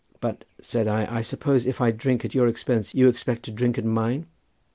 "But," said I, "I suppose if I drink at your expense you will expect to drink at mine?"